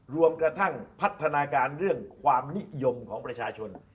รวมกระทั่งพัฒนาการเรื่องความนิยมของประชาชน